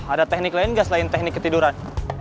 ada teknik lain nggak selain teknik ketiduran